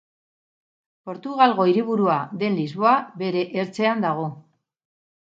Portugalgo hiriburua den Lisboa, bere ertzean dago.